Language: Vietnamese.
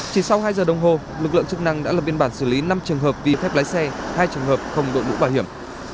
chỉ sau hai giờ đồng hồ lực lượng chức năng đã lập biên bản xử lý năm trường hợp vì phép lái xe hai trường hợp không đội mũ bảo hiểm